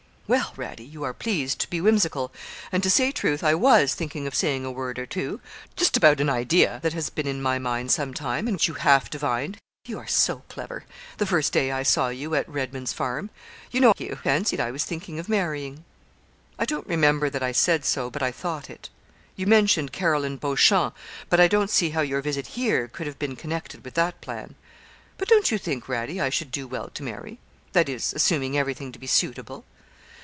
'Well, Radie, you are pleased to be whimsical; and, to say truth, I was thinking of saying a word or two, just about as idea that has been in my mind some time, and which you half divined you are so clever the first day I saw you at Redman's Farm. You know you fancied I was thinking of marrying.' 'I don't remember that I said so, but I thought it. You mentioned Caroline Beauchamp, but I don't see how your visit here could have been connected with that plan.' 'But don't you think, Radie, I should do well to marry, that is, assuming everything to be suitable?'